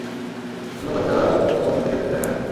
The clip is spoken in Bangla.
অন্য বাচ্চারা তোমার সাথে খেলতে চায় না?